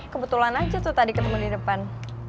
kebetulan aja tuh tadi ketemu di depan